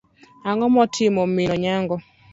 Ang'o motimo mim Onyango.